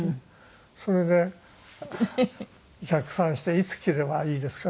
それで逆算して「いつ切ればいいですか？」